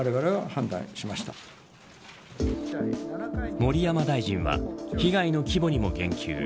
盛山大臣は被害の規模にも言及。